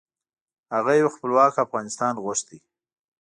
هغه یو خپلواک افغانستان غوښت .